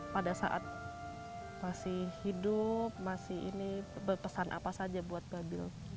pada saat masih hidup masih ini berpesan apa saja buat babil